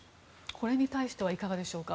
これに対してはいかがでしょうか？